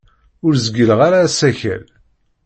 Ur zgileɣ ara asakal.